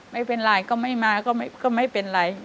ไม่เป็นไรก็ไม่มาก็ไม่เป็นไร